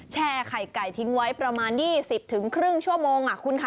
ไข่ไก่ทิ้งไว้ประมาณ๒๐ครึ่งชั่วโมงคุณค่ะ